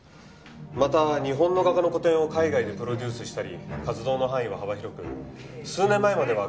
また日本の画家の個展を海外でプロデュースしたり活動の範囲は幅広く数年前までは画廊の経営もしていました。